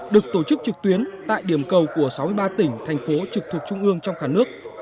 được tổ chức trực tuyến tại điểm cầu của sáu mươi ba tỉnh thành phố trực thuộc trung ương trong cả nước